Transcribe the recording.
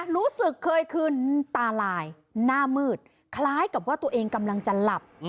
รู้สึกเคยคืนตาลายหน้ามืดคล้ายกับว่าตัวเองกำลังจะหลับ